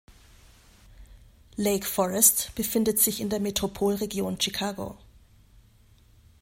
Lake Forest befindet sich in der Metropolregion Chicago.